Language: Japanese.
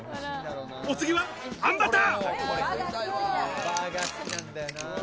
お次は餡バター。